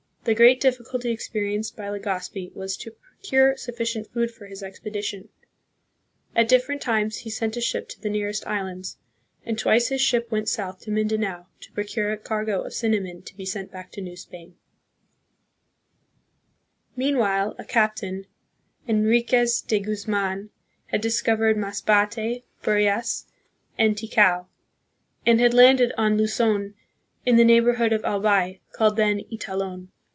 The great difficulty experienced by Legazpi was to pro cure sufficient food for his expedition. At different times he sent a ship to the nearest islands, and twice his ship went south to Mindanao to procure a cargo of cinnamon to be sent back to New Spain. 132 THE PHILIPPINES. Meanwhile, a captain, Enriquez de Guzman, had dis covered Masbate, Burias, and Ticao, and had landed on Luzon in the neighborhood of Albay, called then " Italon."